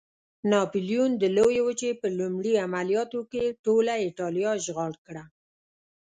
ناپلیون د لویې وچې په لومړي عملیاتو کې ټوله اېټالیا اشغال کړه.